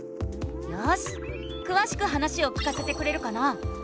よしくわしく話を聞かせてくれるかな？